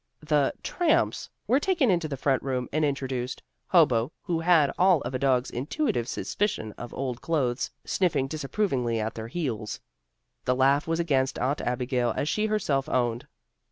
The "tramps" were taken into the front room and introduced, Hobo, who had all of a dog's intuitive suspicion of old clothes, sniffing disapprovingly at their heels. The laugh was against Aunt Abigail as she herself owned.